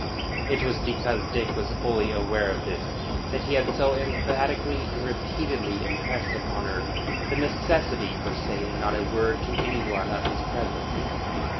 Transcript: It was because Dick was fully aware of this that he had so emphatically and repeatedly impressed upon her the necessity for saying not a word to any one of his presence.